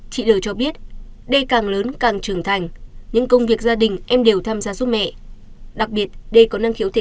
chị n t l cho biết